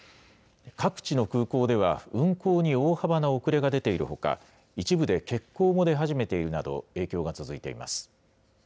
各地の空港では、運航に大幅な遅れが出ているほか、一部で欠航も出始めているなど、影響が続いています。